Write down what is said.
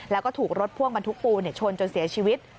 แล้วก็ถูกรถพ่วงบรรทุกปูชนจนเสียชีวิต